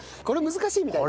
これ難しい。